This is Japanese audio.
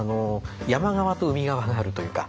山側と海側があるというか。